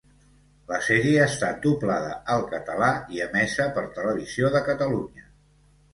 La sèrie ha estat doblada al català i emesa per Televisió de Catalunya.